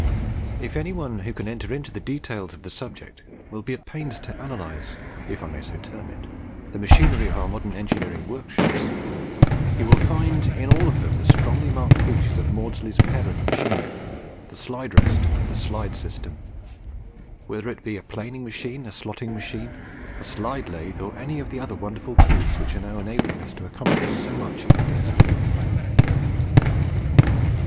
If any one who can enter into the details of this subject will be at the pains to analyse, if I may so term it, the machinery of our modern engineering workshops, he will find in all of them the strongly marked features of Maudslay's parent machine, the slide rest and slide system whether it be a planing machine, a slotting machine, a slide lathe, or any other of the wonderful tools which are now enabling us to accomplish so much in mechanism."